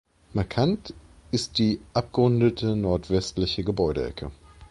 Markant ist die abgerundete nordwestliche Gebäudeecke.